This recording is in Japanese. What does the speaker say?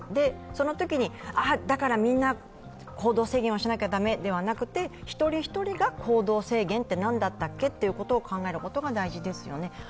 そのときに、だからみんな行動制限をしなきゃ駄目ではなくて一人一人が行動制限って何だったっけということを考えることが大事ですよね。